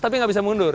tapi gak bisa mundur